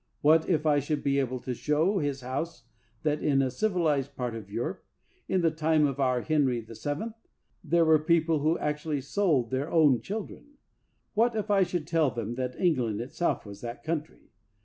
What if I should be able to show this House that in a civilized part of Europe, in the time of our Henry VII., there were people who actually sold 67 THE WORLD'S FAMOUS ORATIONS their own children ? What if I should tell them that England itself was that country?